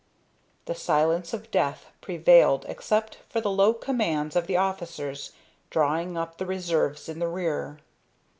The silence of death prevailed, except for the low commands of the officers drawing up the reserves in the rear.